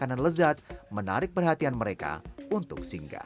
makanan lezat menarik perhatian mereka untuk singgah